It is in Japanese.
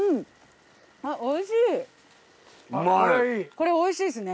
これ美味しいですね。